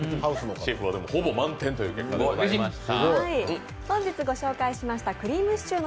シェフはほぼ満点という結果になりました。